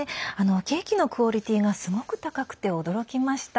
ケーキのクオリティーがすごく高くて驚きました。